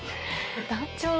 団長。